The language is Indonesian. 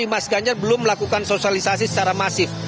mas ganjar belum melakukan sosialisasi secara masif